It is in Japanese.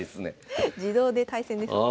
自動で対戦ですね。